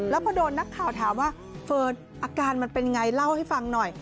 แล้วพอโดนนักข่าวถามว่าเฟิร์นอาการมันเป็นไงเล่าให้ฟังหน่อย